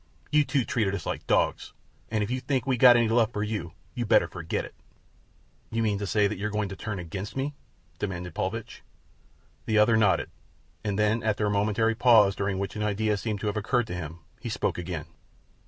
You two treated us like dogs, and if you think we got any love for you you better forget it." "You mean to say that you're going to turn against me?" demanded Paulvitch. The other nodded, and then after a momentary pause, during which an idea seemed to have occurred to him, he spoke again.